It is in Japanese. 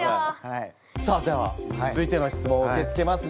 さあでは続いての質問を受け付けます。